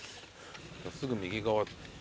すぐ右側。